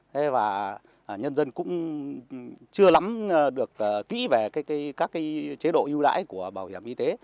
thế và nhân dân cũng chưa lắm được kỹ về các cái chế độ ưu đãi của bảo hiểm y tế